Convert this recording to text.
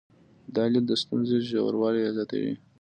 دا لید د ستونزې ژوروالي زیاتوي.